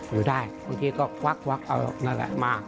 อยู่ได้บางทีก็ควักเอานั่นแหละมา